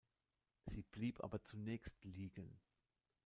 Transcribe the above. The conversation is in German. Sie blieb aber zunächst liegen.